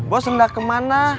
bos enggak kemana